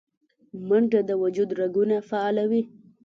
منډه د وجود رګونه فعالوي